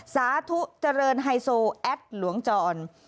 สาธุเจริญไฮโซแอดหลวงจร